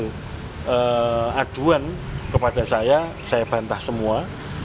itu aduan kepada saya saya bantah semua